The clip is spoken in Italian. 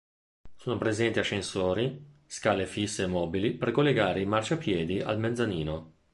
Sono presenti ascensori, scale fisse e mobili per collegare i marciapiedi al mezzanino.